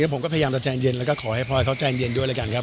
ผมก็พยายามจะแจ้งเย็นก็ขอให้พ่อแจ้งเย็นด้วยเหล่ะกันครับ